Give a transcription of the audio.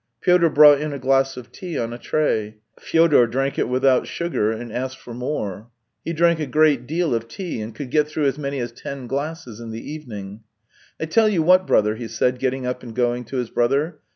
Pyotr brought in a glass of tea on a tray. Fyodor drank it without sugar, and asked for more. He drank a great deal of tea, and could get through as many as ten glasses in the evening. " I tell you what, brother," he said, getting up and going to his brother.